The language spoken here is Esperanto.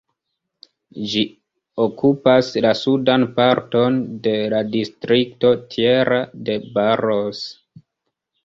Ĝi okupas la sudan parton de la distrikto Tierra de Barros.